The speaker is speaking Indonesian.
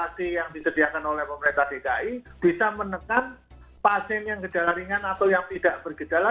vaksinasi yang disediakan oleh pemerintah dki bisa menekan pasien yang gejala ringan atau yang tidak bergejala